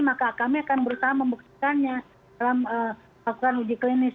maka kami akan berusaha membuktikannya dalam lakukan uji klinis